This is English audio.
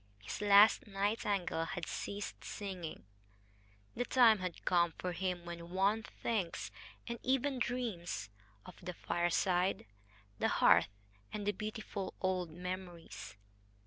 His last nightingale had ceased singing. The time had come for him when one thinks, and even dreams, of the fireside, the hearth, and the beautiful old memories.